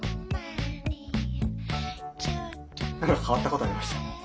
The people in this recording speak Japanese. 何か変わったことありました？